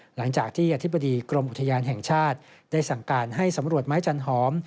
หลังจากที่อธิบดีกรมอุทยานแห่งชาติได้สั่งการให้สำรวจไม้จันหอม